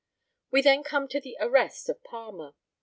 We then come to the arrest of Palmer.